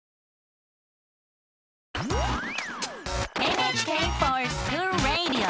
「ＮＨＫｆｏｒＳｃｈｏｏｌＲａｄｉｏ」！